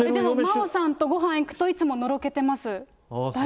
マオさんとごはん行くと、いつものろけてます。